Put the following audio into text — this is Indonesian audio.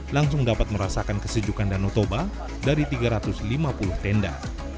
langsung dapat merasakan kesejukan danau toba dari tiga ratus lima puluh tenda